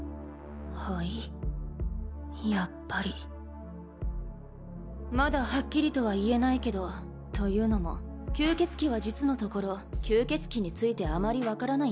やっぱりまだはっきりとは言えないけどというのも吸血鬼は実のところ吸血鬼についてあまり分からないんだ。